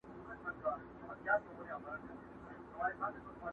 چي هره چېغه پورته کم پاتېږي پر ګرېوان!!!!!